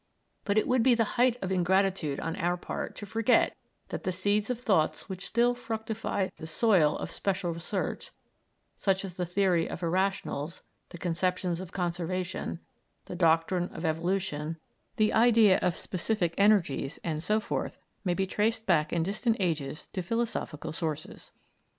But it would be the height of ingratitude on our part to forget that the seeds of thoughts which still fructify the soil of special research, such as the theory of irrationals, the conceptions of conservation, the doctrine of evolution, the idea of specific energies, and so forth, may be traced back in distant ages to philosophical sources.